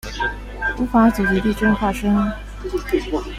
无法阻止地震发生